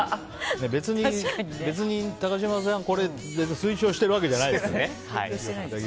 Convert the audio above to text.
別に高島屋さんが、これを推奨してるわけじゃないですよね。